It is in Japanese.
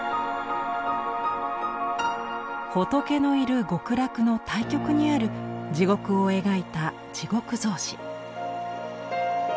仏のいる極楽の対極にある地獄を描いた「地獄草紙」。